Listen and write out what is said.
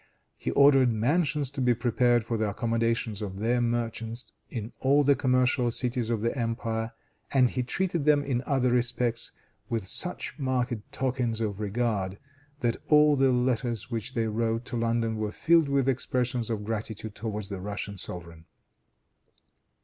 He ordered mansions to be prepared for the accommodation of their merchants in all the commercial cities of the empire, and he treated them in other respects with such marked tokens of regard, that all the letters which they wrote to London were filled with expressions of gratitude towards the Russian sovereign.